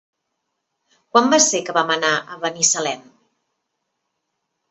Quan va ser que vam anar a Binissalem?